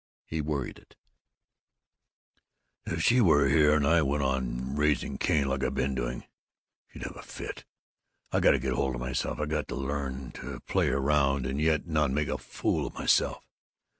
He worried it: "If she were here, and I went on raising cain like I been doing, she'd have a fit. I got to get hold of myself. I got to learn to play around and yet not make a fool of myself.